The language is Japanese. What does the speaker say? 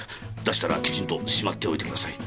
出したらきちんと閉まっておいてください。